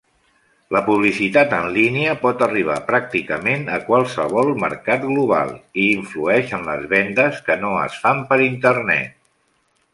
La publicitat en línia pot arribar pràcticament a qualsevol mercat global, i influeix en les vendes que no es fan per Internet.